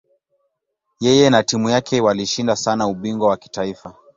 Yeye na timu yake walishinda sana ubingwa wa kitaifa.